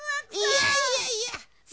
いやいやいや！